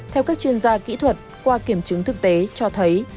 theo các chuyên gia kỹ thuật qua kiểm chứng thực tế cho thấy